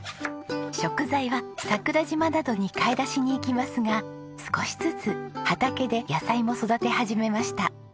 食材は桜島などに買い出しに行きますが少しずつ畑で野菜も育て始めました。